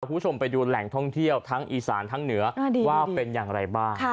คุณผู้ชมไปดูแหล่งท่องเที่ยวทั้งอีสานทั้งเหนือว่าเป็นอย่างไรบ้าง